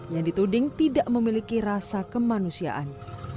yang dituding tidak memiliki rasa kemanusiaan